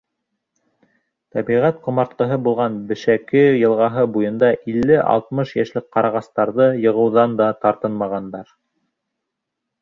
Тәбиғәт ҡомартҡыһы булған Бешәке йылғаһы буйында илле-алтмыш йәшлек ҡарағастарҙы йығыуҙан да тартынмағандар.